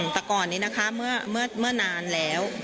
แต่ก่อนนี้นะคะเมื่อนานแล้ว